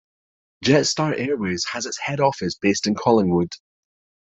Jetstar Airways has its head office based in Collingwood.